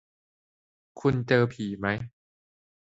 คุณเจอผีมั้ย